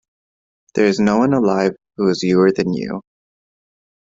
There is no one alive who is youer than you.